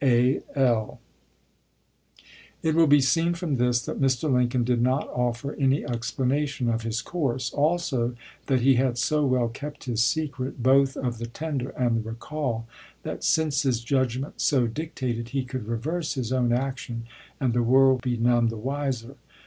"— A. L. It will be seen from this that Mr. Lincoln did not offer any explanation of his course ; also that he had so well kept his secret, both of the tender and the recall, that, since his judgment so dic tated, he could reverse his own action and the world be none the wiser.